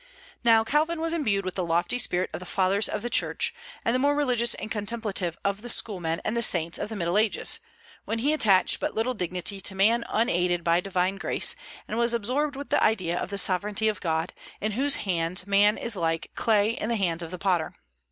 Now Calvin was imbued with the lofty spirit of the Fathers of the Church and the more religious and contemplative of the schoolmen and the saints of the Middle Ages, when he attached but little dignity to man unaided by divine grace, and was absorbed with the idea of the sovereignty of God, in whose hands man is like clay in the hands of the potter.